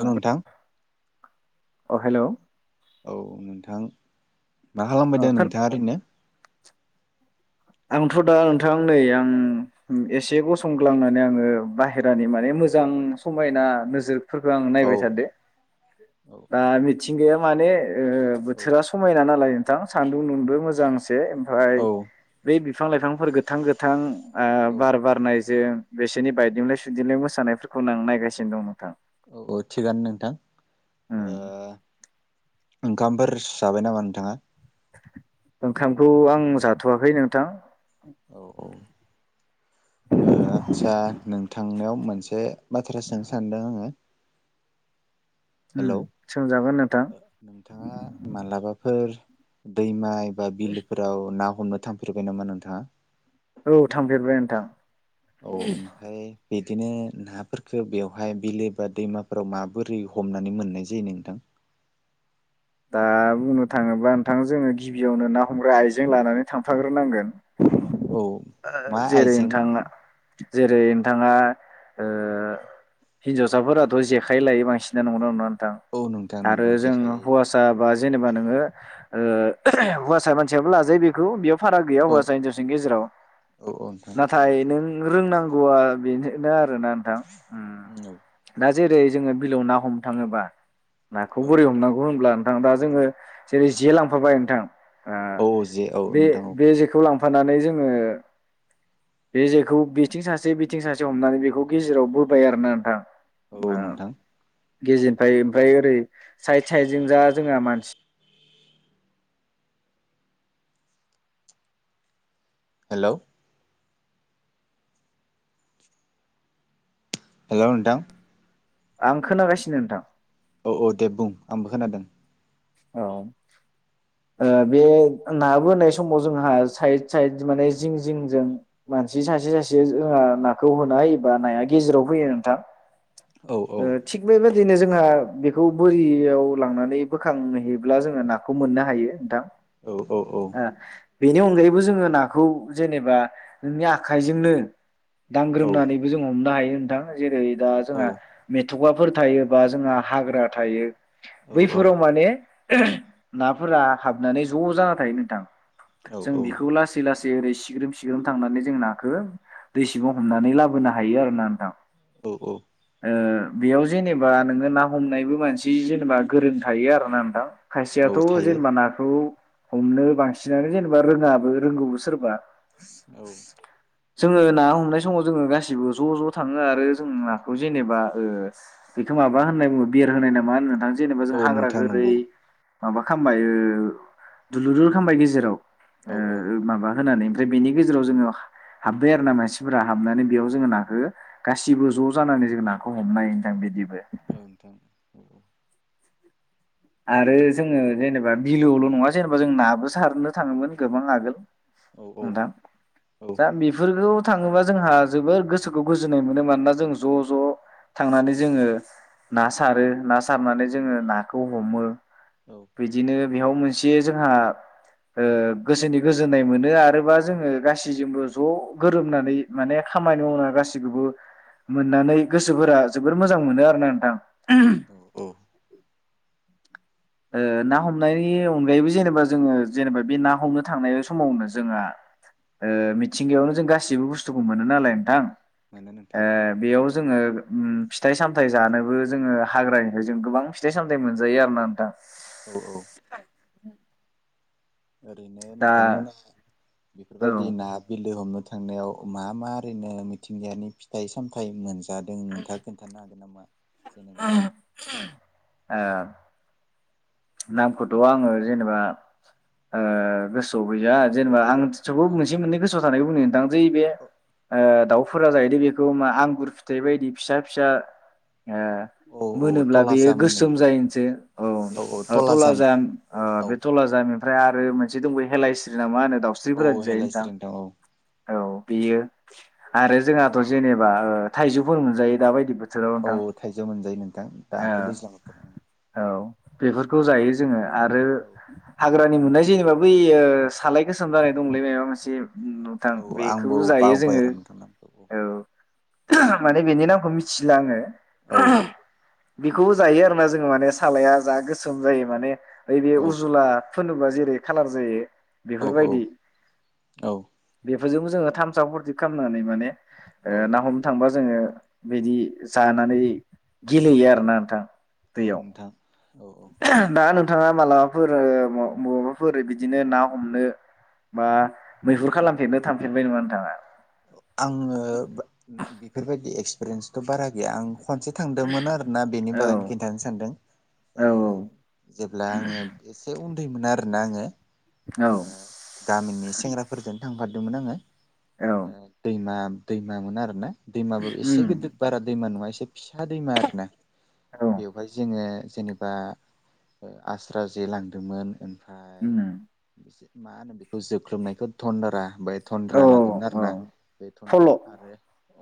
ओं नोंथां अ हेलौ औ नोंथां मा ओ खालामबायदों नोंथांङा ओरोइनो आंथ' दा नोंथां नै आं उम एसे गसंग्लांनानै नाङो सासे रांनि सासे रांनि माने मोजां समायना नोजोर फोरखो आं औ नायबाय थादो औ दा मिथिंगाया माने ओ औ बोथोरा समायना नालाय थां सान्दुं दुंदो मोजां बे ओमफ्राय बे बिफां लाइफांफोर गोथां गोथां ओ औ बार बारनाय जे बिसोरनि बायदेमलाय सुदेमलाय मोसानायफोरखौ आं नायगासिनो दं नोंथां औ-औ थिगानो नोंथां। ओ। उम ओंखामफोरस जाबाय नामा नोंथांङा? ओंखामखौ आं जाथवाखै नोंथां। औ-औ ओ आतसा नों थांनायाव मोनसे बाथ्रा सोंनो सानदों आंङो उम हेलौ सोंजागोन नोंथां नोंथांङा मालाबाफोर दैमाय ओ बिलफोराव ना हमनो थांफेरबाय नामा नोंथांङा औ थांफेरबाय नोंथां औ ओमफाय बिदिनो नाफोरफोरखो बेवहाय बिलो बा दैमाफोराव माबोरै हमनानै मोननाय जायो नोंथां ओ बुंनो थांङोब्ला नोंथां जोंङो गिबियावनो ना हमग्रा आइजें लानानै थांफाग्रोनांगोन। औ ओ मा जेरै आइजें नोंथांङा जेरै नोंथांङा हिनजावसाफोराथ जेखाइ लायो बांसिनानो नंगौना नंङा? औ नोंथां नंगौ जेखायलायो हुवासा बा जेनेबा नोंङो ओ हुवासा मानसियाबो लाजायो बेखौ बेयाव जे फाराग गैया औ हौवासा हिनजावसनि गेजेराव औ औ नोंथां नाथाय थारैनो नों सैथो रोंनांगौआ बेनो दा ओ ना नोंथां औ उम। जेरै जोंङो बिलोआव ना हमनो थांङोबा जे नाखौ औ बोरै हमनांग होनब्ला नोंथां दा जोंङो जेरै जे लांफाबाय नोंथां। ओ औ जे औ नोंथां औ बे-बे जेखौ लां फानानै जोंङो बे जेखौ बिथिं सासे बिथिं सासे हमनानै बेखौ गेजेराव बोबाय आरो ना नोंथां औ ओ नोंथां गेजेरनिफ्राय ओमफ्राय ओरै साइद साइदजों जा जोंहा मानसि। हेलौ हेलौ नोंथां आं खोनागासिनो नोंथां औ औ देब बुं आंबो खोनादों औ ओ बे नाबोनाय समाव जोंहा साइद साइद माने जिं जिंजों मानसि सासे सासे जोंहा नाखौ होनायबा नाया गेजेराव फैयो नोंथां औ औ ओ थिग बेफोर बिदिनो जोंहा बेखौ बोरियाव लांनानै बोखांहैयोब्ला जोङो नाखौ मोननो हायो नोंथां। औ औ औ‌। ओ बेनि अनगायैबो जोङो नाखौ जेनेबा नोंनि आखाइजोंनो औ दांग्रोमनानैबो जों हमनो हायो। नोंथां जेरै दा औ जोंहा थुगाफोर थायोबा जोंहा हाग्रा थायो। बैफोराव नाफोरा हाबनानै ज' जाना थायो नोंथां‌ जों औ बेखौ लासै लासै ओरै सिग्रोम सिग्रोम थांनानै जों नाखौ दै सिबाव हमनानै लाबोनो हायो आरो ना नोंथां। औ औ। ओ बेयाव जेनेबा नोङो ना हमनायबो मानसि जेनेबा गोरों थाय आरोना नोंथां। औ खायसेयाथ' थायो जेनेबा नाखौ हमनो बांसिनानो जेनेबा रोङाबो रोंगौबो सोरबा। औ। जोङो ना हमनाय समाव जोङो गासिबो ज' ज' थाङो आरो जों नाखौ जेनेबा ओ बेखौ माबा होननाय बुङो बिर होनाय नामा होनथां जेनेबा औ हाग्रा नोंथां नंगौ गोरै माबा खालामबाय ओ दुलुरदुर खालामबाय गेजेराव। ओ औ औ माबा होनानै ओमफ्राय बेनि गेजेराव जोङो हाबबाय आरो ना मानसिफ्रा हाबनानै बेयाव जोङो नाखो गासिबो ज' जानानै जों नाखौ हमनायो नोंथां बिदि औ नोंथां। औ आरो जोङो जेनेबा बिलोआवल' नङा जेनेबा जों नाबो सारनो थाङोमोन गोबां आगोल। औ नोंथां औ दा बेफोरखौ थाङोबा जोंहा जोबोर गोसोखौ गोजोननाय मोनो मानोना जों ज' ज' थांनानै जोङो ना सारो ना सारनानै जोङो नाख खौ हमो। बेदिनो बेयाव मोनसे जोंहा ओ गोसोनि गोजोननाय मोनो आरोबा जोङो गासैजोंबो ज' गोरोमनानै माने खामानि मावना गासैखौबो मोननानै गोसोफोरा जोबोर मोजां मोनो आरो ना नोंथां। उम। ओ ना हमनायनि अनगायैबो जेनेबा जोङो जेनेबा बे ना हमनो थांनाय समावनो जोंहा ओ मिथिंगायावनो जों गासिबो बुस्थुखौ मोनो नालाय नोंथां। मोनो ओ नोंथां बेयाव जोङो उम फिथाइ-सामथाइ जानोबो जोङो हाग्रानिफ्राय जों गोबां फिथाइ-सामथाइ मोनजायो आरोना नोंथां। औ औ [inaudible] ओरैनो दा नोंथांमोना औ बेफोरबायदि ओ ना बिलो हमनो थांनायाव मा मा ओरैनो मिथिंगायानि फिथाइ-सामथाइ मोनज जादों नोंथाङा खोनथानो हागोन नामा? जेनेबा [unintelligible] नामखौथ' आङो जेनेबा ओ गोसोआव गैया जेनेबा आं [unintelligible] खौ औ मोनसे मोननै गोसोआव थानाय बुंनो नोंथां जै बे ओ दाउ फोरा जायोदि बेखौ मा आंगुर फिथाइ बायदि फिसा-फिसा ए औ औ मोनोब्ला बेयो तलाजाम होनो गोसोम बेखौ जायो जे औ औ तला तलाजाम जाम ओ औ बे तला जामनिफ्राय आरो मोनसे दंबैयो हेलायस्रि नामा होनो? औ दाउस्रिफोरादि जायो नोंथां हेलायस्रि औ औ बेयो आरो जोंहाथ' जेनेबा ओ थाइजौफोर मोनजायो दााबायदि बोथ औ थाइजौ मोनजायो नोंथां दाथ' दैज्लां बोथोर औ औ बेफोरखौ जायो जोङो आरो हाग्रा नि [unintelligible] नाय जेनेबा बैयो सालाय गोसोम जानाय दंलै माबा मोनसे नोंथां औ आंबो बेखौबो जायो बावबाय जोङो र' नोंथां नामखौ औ माने बेनि नामखौ मिथिला आङो [inaudible] बेखौबो जायो आरोना जोङो माने सालाया जा गो सोम जायो माने ओइ बे औ उजुला फुनोबा जेरै खालार जायो औ औ बेफोरबायदि औ बेब फोरजोंबो जोङो थामसा फुरथि खालामनानै माने ओ औ ना हमनो थांबा जोङो बिदि जानानै गेलेयो आरोना नोंथां। औ नोंथां औ औ दानो [unintelligible] नोंथाङा मालाबाफोर माबाफोर बिदिनो ना हमनो बा मैहुर खालामफेरनो थांफेरबाय नङा नोंथाङा आङो बेफोरबायदि एक्स। प्रन्स [unintelligible] बारा गैया खसे थांदोंमोन आरोना बेनि औ बागैनो खिथानो सानदों औ जेब्ला आंङो मोना आरोना आङो औ गामिनि सेंग्राफोरजों थांफादोंमोन होदोंमोन आङो औ दैमा दैमा मोन आरो ना दैमाबो एसे उम गिदिर बारा दैमा नङा एसे एसे फिसा दैमा आरो ना औ बेवहाय जोङो जेनेबा आस्रा जे लांदोंमोन ओमफ्राय उम मा होनो बेखौ जोख्रोबनायखौ धनन्दारा ओमफ्राय थन्द्रा औ लादोंमोन आरो औ ना बे थन्द्रा फल' आरो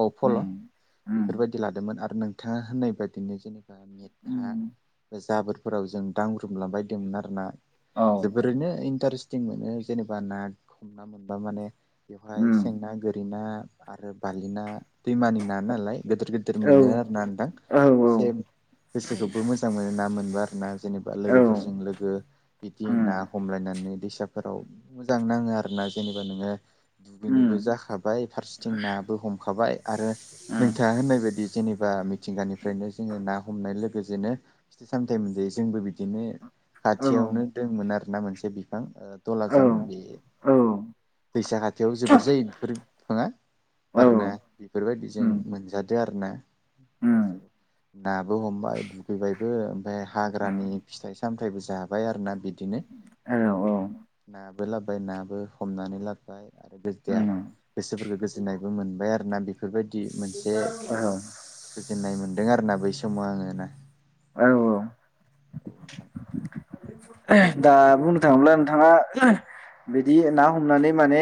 औ फल' उम उम बेफोरबायदि लादोंमोन आरो नोंथाङा होननाय बायदिनो जेनेबा मेटखा उम जाबोर फोराव जों दांग्रोमला बायदोंमोन आर ना। औ जोबोरैनो इन्टारेस् ं मोनो जेनेबा ना हमना मोनबा माने बेवहाय उम सेंना गो। ना आरो बारलि ना। दैमानि ना नालाय गिदिर गिदिर औ मोनो आरो ना नोंथां औ एसे गोसोखौबो मोजां मोनो ना मोनबा आरो ना जेनेबा औ लोगोफोरजों लोगो बिदि उम ना हमलायनानै दै। फोराव मोजां नाङो आरो ना जेनेबा नोङो उम दुगैनोबो जाखाब फारसेथिं ना बो हमखाबाय आरो उम नोंथां होननाय बादि जेनिबा। बा मिथिंगानिफ्रायनो जोङो ना हमनाय लोगोसेनो फिथाय सामथाय मोनजायो। जोंबो बिदिनो औ खाथियावनो दंमोन आरो मोनसे बिफां औ दलाजाम बे औ दैसा खाथियाव जोबोर जायो बेफोर बिफाङा औ आरो ना बेफोरबायदि जों उम मोनजादो आरो उम [inaudible] नाबो हमबाय दुगैबायबो ओमफ्राय उम हाग्रानि फिथाइ- सामथाय सामथायाइबो जाबाय आरो ना बिदिनो औ आरो ना बो लाबोबाय नाबो हमनानै लाबोबाय उम [unintelligible] गोसोफोरखौ गोजोननायबो मोनबाय आरो ना बेफोरबायदि मोनसे औ गोजोननाय मोनो दों आरोना बै समाव आङो ना औ औ नोंथां दा बुंनो थाङोब्ला नोंथाङा बिदि ना हमनानै माने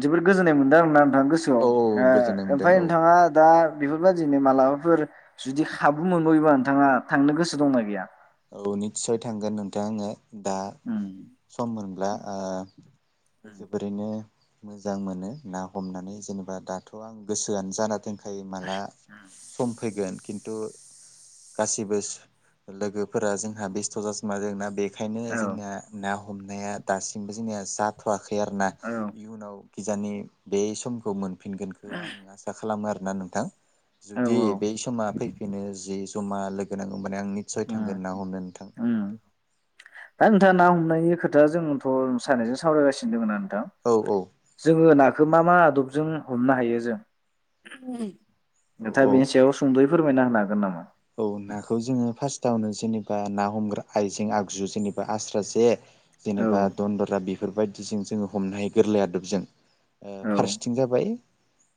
जोबोद गोजोननाय मोनदों आरोना गोसोआव औ गोजोननाय मोनदों ओमफ्राय औ नोंथाङा दा बेफोरबायदि मालाबाफोर जुदि खाबु मोनबावोबा नोंथाङा थांनो गोसो दंना गैया औ निस्सय थांगोन नोंथां आङो दा उम सम मोनब्ला उम जोबोरैनो मोजां मोनो ना हमनानै जेनेबा दाथ' आं गोसोआनो जाना दों थाखाय माला सम फैगोन खिन्थु गासिबो लोगो फोर जोंहा बेस्थ' जाजोबना दङ' बेखायनो उम औ जोंना ना हम- हमनाया दासिमबो जोंनिया जाथ'वाखै औ [unintelligible] किजानि बे समखौ मोन- फिनगोनखौ आं आसा खालामो आरो ना नोंथां औ जुदि बै समा फैफिनो जि जमा लोगो नांगौ माने आंनि औ थांगोन उम ना हमनो नोंथां उम दा औ नोंथा ना हमनायनि खोथा दा जोंथ' सानानैजों सावरायगासिनो दङं औ जोङो नाखौ मा -मा आदबजों हमनो हायो जों औ नोंथाङा औ बेनि सायाव सुंदैयै फोरमायना होनो हागोन नामा? औ नाखौ जोङो फार्स्ट आवनो जेनेबा ना हमग्रा आइजें आगजु जेनेबा आस्रा जे औ जेनेबा दन्दरा बि बेफोरबायदिजों जोङो हमनो हायो गोरलै आदबजों ओ औ फारसेथिं जाबाय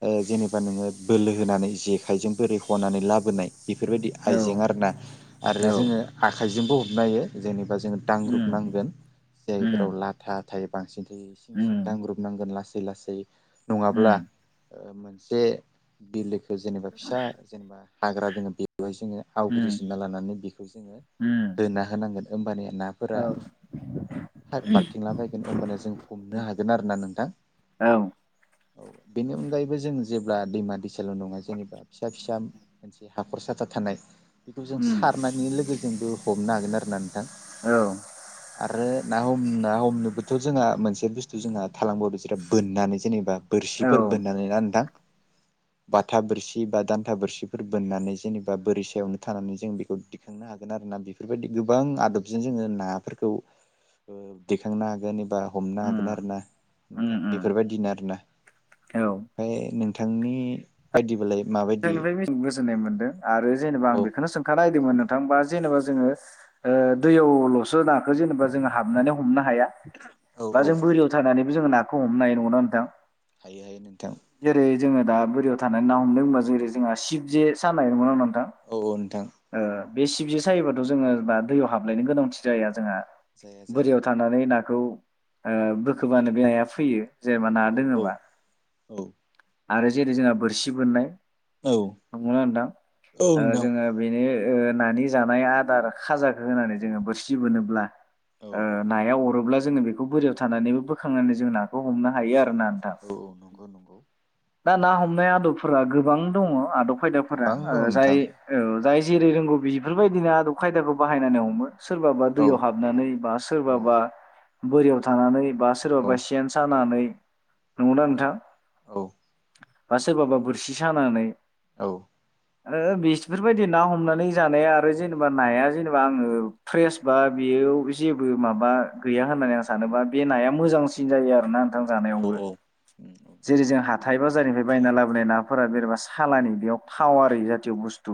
ओ जेनेबा नोङो बोलो होनानै जेखाइजों बोरै हनानै लाबोनाय बेफोरबायदि औ आइजें आरो ना आरो औ जोङो आखा इजोंबो हमनो हायो जेनेबा ओ जोङो दांग्रुब उम नांगोन जायफोराव उम लाथा थायो बांसिन थायो सिं सिं उम दांग्रुब नांगोन लासै लासै नङाब्ला उम ओ मोनसे बिलोखौ जेनेबा फिसा जेनेबा हाग्रा दोङो बेबो जोङो उम आवग्रिजोबना लानानै बेखौ जोङो उम होना होनांगोन होमबानो नाफोरा औ खार बारथिंलाबायगोन अमबानो जों हमनो हागोन आरो ना नोंथां औ औ बेनि अनगायैबो जों जेब्ला दैमा दैसाल नङा जेनेबा फिसा फिसा मोनसे हाखर साथा थानाय बेखौ जों उम सारनायनि लोगोजोंबो हमनो हागोन आरो ना नोंथां औ आरो ना हम ना हमनोबोथ जोंहा मोनसे बुस्थु जोंहा थालांबावदोंसो बोननानै जेनेबा औ बोरसिफोर बोननानै ना नोंथां बाथा बोरसि बा दान्था बोरसिफोर बोननानै जेनेबा बोरि सायावनो थानानै जों बेखौ दिखांनो हागोन आरो ना बेफोरबायदि गोबां आदबजों जोङो नाफोरखौ ओ दिखांनो हागोन एबा हमनो हागोन आरो उम ना उम नोंथां उम बेफोरबायदिनो आरो ना औ ओमफाय बिथांनि बायदि बालाय आं नुनाप बादिनो गोजोननाय मोन आरो जेनेबा औ आं बेखौनो सोंखानायदोमोन नोंथां जेनेबा जोङो ओ दैयावलसो नाखौ जेनेबा जोङो हाबनानै हमनो हाया। औ बा औ जों बोरियाव थानानैबो जोंङो ना खौ हमनाय नंगौ ना नोंथां हायो हायो नोंथां जेरै जोङो दा बोरियाव थाना ना हमनो होनबा जेरै जोंहा सिबजे सानाय नंगौना नंङा नों थां औ औ नोंथां ओ बे सिबजे सायोबाथ जोङो बा दैयाव हाबलायनो गोनांथि जाया जोंहा जाया जाया बोरियाव थानानै ना खौ ओ बोखोबानो बे नाया फैयो। जेनेबा ना औ दोङोबा औ आरो जेरै जोंहा बोरसि बोननाय औ नंगौना नोंथां औ ओ नोंथां जोङो बेनो ओ नानि जानाय आदार खाजाखौ होनानै जोङो बोरसि बोनोब्ला औ ओ नाया अरो अब्ला जोङो बेखौ बोरियाव थानानैबो बोखांनानै जोंङो नाखौ हमनो हायो आरोना नोंथां। औ नंगौ नंगौ। दा ना हमनाय आदबफोरा गोबां दङ आदब खायदाफोरा गोबां ओ दं जाय नोंथां ओ जाय जेरै रोंगौ बेफोरबायदिनो आदब खायदाखौ बाहायनानै हमो। सोरबाबा औ दैयाव हाबनानै बा औ सोरबाबा बोरियाव थानानै बा औ सोरबाबा सेन सानानै नंगौना औ नोंथां औ। बा सोरबाबा बोरसि सानानै औ। आरो बेफोरबायदि ना हमनानै जानाया आरो जेनेबा नाया जेनेबा आङो फ्रेस बा बेयो जेबो माबा गैया होननानै आं सानोबा बे नाया मोजांसिन जायो आरोना थां जानायावबो जेरै जों हाथाय बाजारनिफ्राय बायना लाबोनाय ना जेनेबा सानि बेयाव थाव आरो जाति' बुस्थु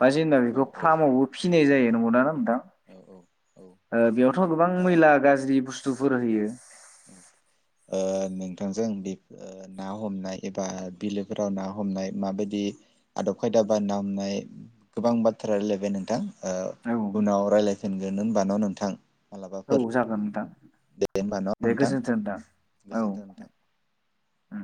बा जोंना औ बेखौ फार्मआवबो फिसिनाय जायो नंगौ ना थां औ औ ओ बेयावथ' गोबां होमबा मैला गाज्रि बुस्थु बुस्थुफोर होयो। ओ नोंथांजों बे ओ ना हमनाय एबा बिलोफोराव ना हमनाय माबायदि आदब खायदा बा ना हमनाय गोबां बाथ्रा रायलायबाय नोंथां ओ औ उनाव रायज्लायगोन दोननो होनबा ना नोंथां? औ मालाबाफोर जागोन नोंथां। दे होमबा ना दे नोंथां गोजोन्थों नोंथां औ गोजोनथों नोंथां उम।